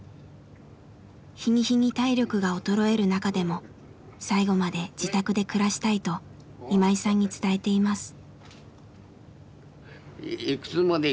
日に日に体力が衰える中でも最期まで自宅で暮らしたいと今井さんに伝えています。